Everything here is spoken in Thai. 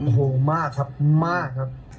โอ้โหมากครับมากครับ